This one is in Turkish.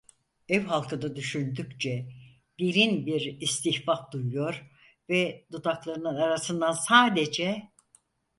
Ev halkını düşündükçe derin bir istihfaf duyuyor ve dudaklarının arasından sadece: